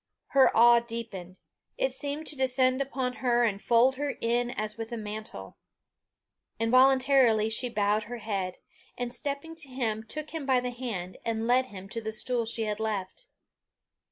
Her awe deepened; it seemed to descend upon her and fold her in as with a mantle. Involuntarily she bowed her head, and stepping to him took him by the hand, and led him to the stool she had left.